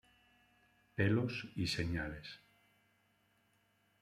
Pelos y señales".